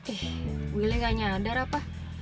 ih willy gak nyadar apa